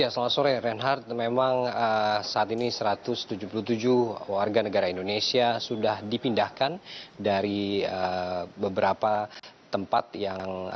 pemerintah filipina telah mencari penyelesaian